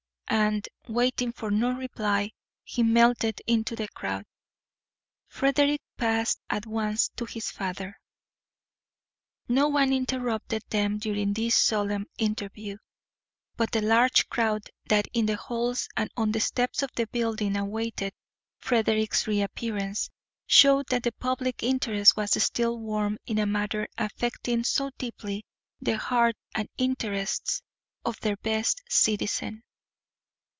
And, waiting for no reply, he melted into the crowd. Frederick passed at once to his father. No one interrupted them during this solemn interview, but the large crowd that in the halls and on the steps of the building awaited Frederick's reappearance showed that the public interest was still warm in a matter affecting so deeply the heart and interests of their best citizen.